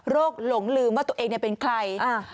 หลงลืมว่าตัวเองเป็นใคร